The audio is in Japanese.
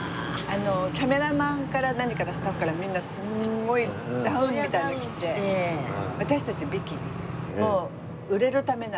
カメラマンから何からスタッフからみんなすごいダウンみたいなのを着て私たちビキニ。